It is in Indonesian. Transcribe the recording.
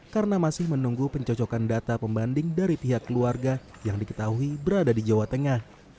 karena masih menunggu pencocokan data pembanding dari pihak keluarga yang diketahui berada di jawa tengah